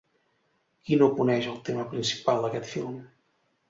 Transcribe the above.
Qui no coneix el tema principal d’aquest film?